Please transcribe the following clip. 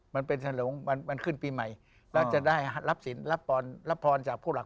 มันเป็นฉลงวันขึ้นปีใหม่แล้วจะได้รับสินรับพรจากผู้หลัก